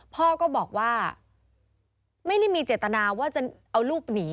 พ่อก็บอกว่าไม่ได้มีเจตนาว่าจะเอาลูกหนี